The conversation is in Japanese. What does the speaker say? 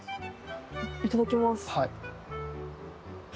いただきます。